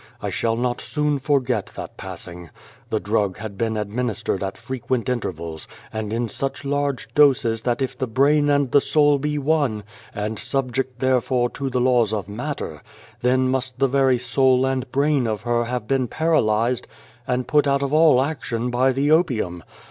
I shall not soon forget that passing. The drug had been administered at frequent intervals, and in such large doses that if the brain and the soul be one, and subject there fore to the laws of matter, then must the very soul and brain of her have been para lysed and put out of all action by the opium.